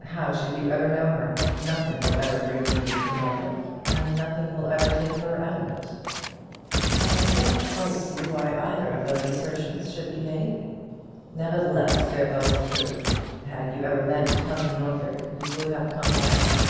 "How should you ever know her? Nothing will ever bring you into Norfolk, and nothing will ever take her out of it." "I don't quite see why either of those assertions should be made." "Nevertheless they're both true. Had you ever meant to come to Norfolk you would have come now."